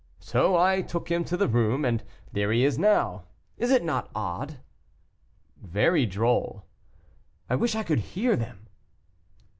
So I took him to the room, and there he is now. Is it not odd?" "Very droll." "I wish I could hear them."